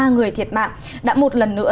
một mươi ba người thiệt mạng đã một lần nữa